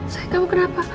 sayang kamu kenapa